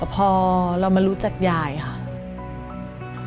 พอเรามารู้จักยายค่ะ